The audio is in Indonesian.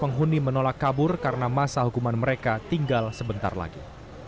penghuni menolak kabur karena masa hukuman mereka tinggal sebentar lagi